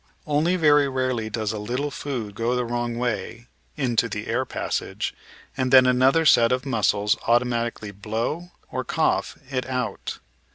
Only very rarely does a little food "go the wrong way" — into the air passage — and then another set of muscles automatically blow (or cough) it out.